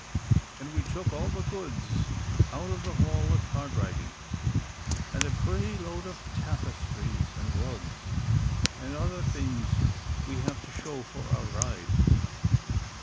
And we took all the goods out of the hall at Hardriding, and a pretty load of tapestries, and rugs, and other things we have to show for our ride."